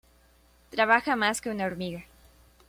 Trabaja más que una hormiga